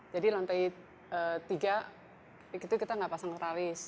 jadi lantai tiga itu kita gak pasang tralis